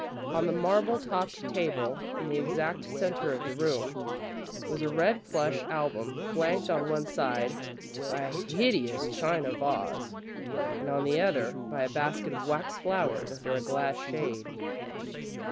On the marble topped table, in the exact centre of the room, was a red plush album, flanked on one side by a hideous china vase, and on the other by a basket of wax flowers under a glass shade.